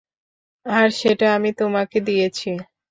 আর সেটা আমি তোমাকে দিয়েছি।